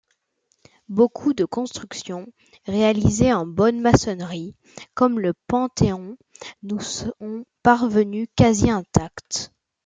Beaucoup de constructions réalisées en bonne maçonnerie, comme le Panthéon, nous sont parvenues quasi-intactes.